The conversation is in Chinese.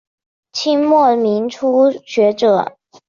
清末民初学者。